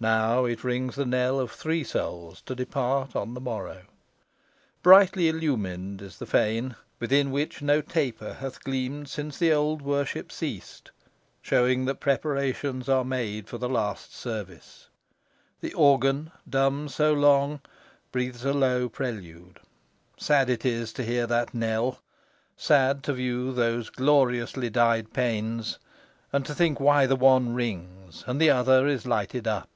Now it rings the knell of three souls to depart on the morrow. Brightly illumined is the fane, within which no taper hath gleamed since the old worship ceased, showing that preparations are made for the last service. The organ, dumb so long, breathes a low prelude. Sad is it to hear that knell sad to view those gloriously dyed panes and to think why the one rings and the other is lighted up.